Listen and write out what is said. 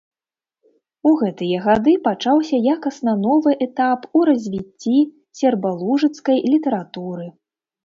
У гэтыя гады пачаўся якасна новы этап у развіцці сербалужыцкай літаратуры.